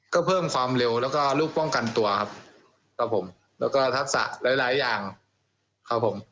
ก็เพิ่มความเร็วแล้วก็รูปป้องกันตัวครับครับผมแล้วก็ทักษะหลายหลายอย่างครับผม